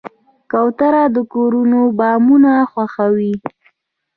کوترې د کورونو بامونه خوښوي.